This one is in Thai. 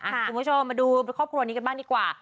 คุณผู้ชมมาดูครอบครัวนี้กันบ้างดีกว่า